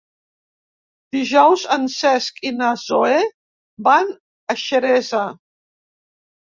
Dijous en Cesc i na Zoè van a Xeresa.